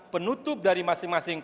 penutup dari masing masing